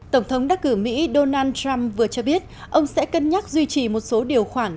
tổng thống đắc cử mỹ donald trump vừa cho biết ông sẽ cân nhắc duy trì một số điều khoản